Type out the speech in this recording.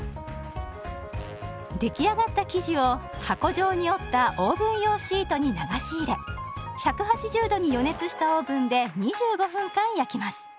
出来上がった生地を箱状に折ったオーブン用シートに流し入れ１８０度に予熱したオーブンで２５分間焼きます。